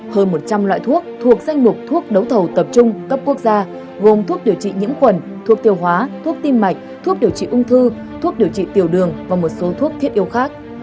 hơn một trăm linh loại thuốc thuộc danh mục thuốc đấu thầu tập trung cấp quốc gia gồm thuốc điều trị nhiễm khuẩn thuốc tiêu hóa thuốc tim mạch thuốc điều trị ung thư thuốc điều trị tiểu đường và một số thuốc thiết yếu khác